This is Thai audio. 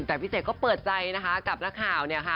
แต่พี่เสกก็เปิดใจนะคะกับนักข่าว